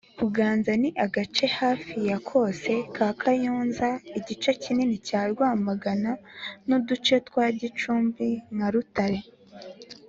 Ubuganza Ni agace hafi ya kose ka Kayonza, igice kinini cya Rwamagana n’uduce twa Gicumbi nka Rutare